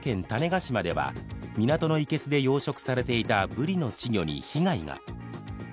種子島では港の生けすで養殖されていたぶりの稚魚に被害が。